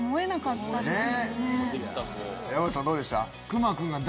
山内さんどうでした？